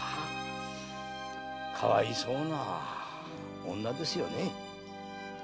かわいそうな女ですよね。